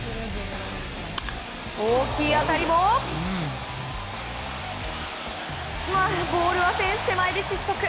大きい当たりもボールはフェンス手前で失速。